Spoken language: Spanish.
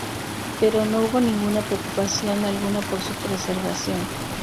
Pero no hubo ninguna preocupación alguna por su preservación.